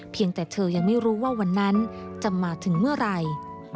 เธอยังไม่รู้ว่าวันนั้นจะมาถึงเมื่อไหร่